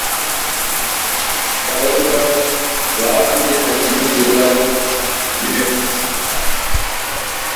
However the idea is not without merit.